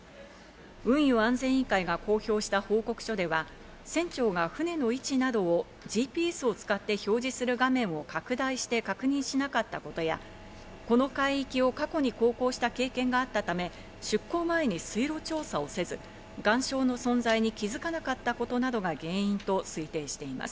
運輸安全委員会が公表した報告書では、船長が船の位置などをＧＰＳを使って表示する画面を拡大して確認しなかったことや、この海域を過去に航行した経験があったため、出航前に水路調査をせず、岩礁の存在に気づかなかったことなどが原因だと推定しています。